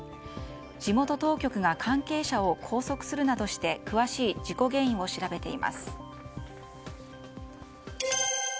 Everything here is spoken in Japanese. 地元当局が関係者を拘束するなどして詳しい事故原因を調べています。